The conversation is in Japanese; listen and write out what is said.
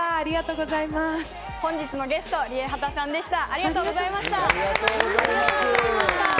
あありがとうございました。